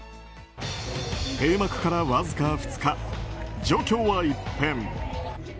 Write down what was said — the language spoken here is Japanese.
閉幕からわずか２日状況は一変。